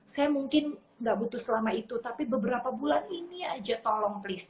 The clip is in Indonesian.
saya mungkin nggak butuh selama itu tapi beberapa bulan ini aja tolong please